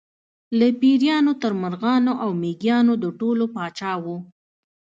له پېریانو تر مرغانو او مېږیانو د ټولو پاچا و.